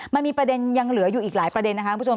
มันมีประเด็นยังเหลืออยู่อีกหลายประเด็นนะคะคุณผู้ชม